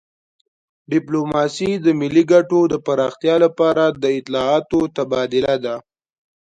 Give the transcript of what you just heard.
ډیپلوماسي د ملي ګټو د پراختیا لپاره د اطلاعاتو تبادله ده